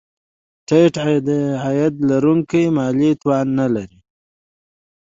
ټیټ عاید لرونکي مالي توان نه لري.